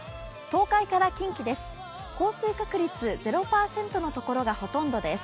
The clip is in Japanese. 東海から近畿です。